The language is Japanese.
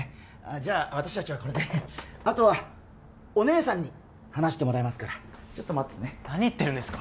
じゃあ私達はこれであとはお姉さんに話してもらいますからちょっと待ってね何言ってるんですか？